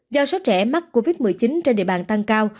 do số trẻ mắc covid một mươi chín trên địa bàn tăng cao